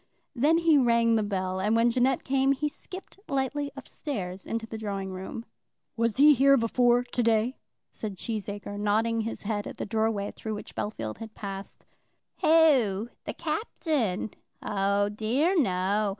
Then he rang the bell, and when Jeannette came he skipped lightly up stairs into the drawing room. "Was he here before to day?" said Cheesacre, nodding his head at the doorway through which Bellfield had passed. "Who? The Captain? Oh dear no.